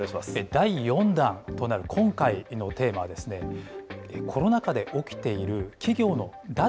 第４弾となる今回のテーマは、コロナ禍で起きている企業の脱